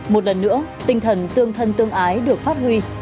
một lần nữa tinh thần tương thân tương ái được phát huy